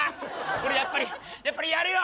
俺やっぱりやっぱりやるよ！